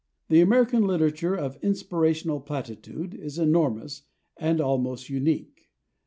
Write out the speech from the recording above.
The American literature of "inspirational" platitude is enormous and almost unique.